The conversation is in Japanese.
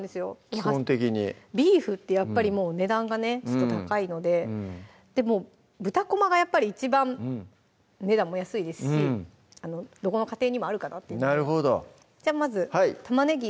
基本的にビーフってやっぱりもう値段がねちょっと高いのででも豚こまがやっぱり一番値段も安いですしどこの家庭にもあるかなってなるほどじゃあまず玉ねぎ